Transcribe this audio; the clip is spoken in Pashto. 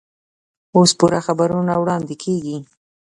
اوس پوره خبرونه واړندې کېږي.